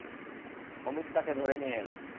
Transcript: অমিত তাঁকে ধরে নিয়ে এল।